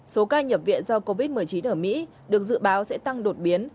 số ca nhập viện do covid một mươi chín ở mỹ được dự báo sẽ tăng đột biến